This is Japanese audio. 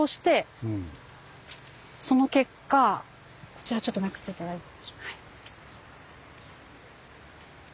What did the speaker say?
そこでこちらちょっとめくって頂いて。